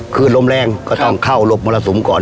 คือลมแรงก็ต้องเข้าหลบมรสุมก่อน